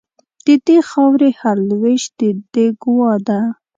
د دې خاوري هر لوېشت د دې ګوا ده